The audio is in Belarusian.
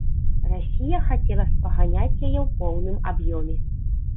Расія хацела спаганяць яе ў поўным аб'ёме.